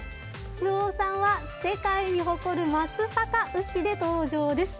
周防さんは世界に誇る松阪牛で登場です。